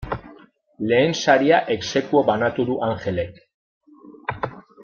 Lehen saria ex aequo banatu du Angelek.